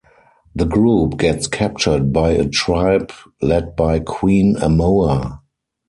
The group gets captured by a tribe led by Queen Amoa.